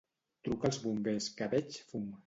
Truca als bombers, que veig fum.